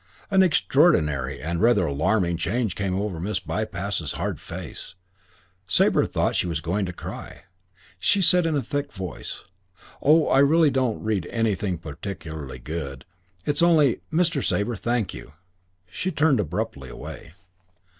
An extraordinary and rather alarming change came over Miss Bypass's hard face. Sabre thought she was going to cry. She said in a thick voice, "Oh, I don't really read anything particularly good. It's only Mr. Sabre, thank you." She turned abruptly away.